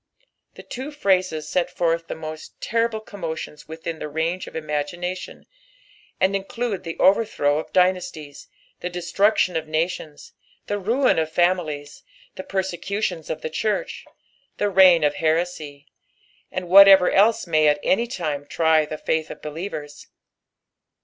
The two phrases set forth the most terrible commotions within the range of imagination, and include the overthiow of dynastiea, the destruction of nations, the ruin of families, the persecutions of the church, the reign of heresy, and whatever else may at any time try the faith of believers.